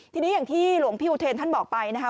ทีนี้อย่างที่หลวงพี่อุเทรนท่านบอกไปนะคะ